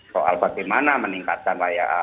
soal bagaimana meningkatkan layanan